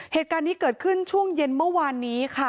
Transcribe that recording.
เหตุการณ์นี้เกิดขึ้นช่วงเย็นเมื่อวานนี้ค่ะ